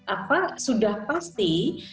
apa sudah pasti